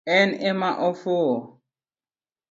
En ema ofuo